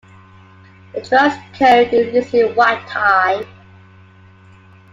The dress code is usually white tie.